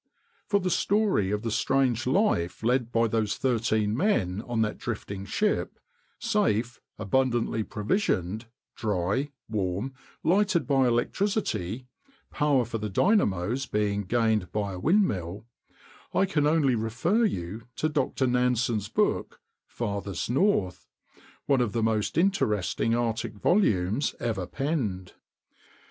For the story of the strange life led by those thirteen men on that drifting ship, safe, abundantly provisioned, dry, warm, lighted by electricity (power for the dynamos being gained by a windmill), I can only refer you to Dr. Nansen's book, "Farthest North," one of the most interesting Arctic volumes ever penned.